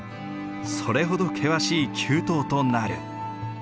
それほど険しい急登となる。